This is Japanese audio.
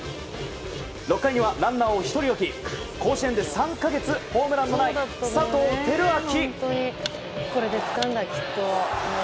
６回にはランナーを１人置き甲子園で３か月ホームランのない佐藤輝明。